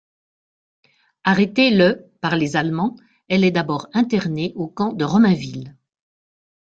Arrêtée le par les Allemands, elle est d'abord internée au camp de Romainville.